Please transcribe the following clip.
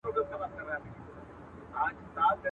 o بې کسه بدي نه سي پاللاى.